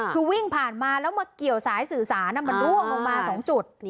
คือวิ่งผ่านมาแล้วมาเกี่ยวสายสื่อสารมันร่วงลงมา๒จุด